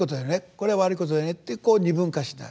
これは悪いことだよね」ってこう二分化しない。